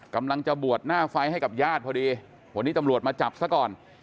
กำลังจะบวชหน้าไฟให้กับญาติพอดีวันนี้ตำรวจมาจับซะก่อน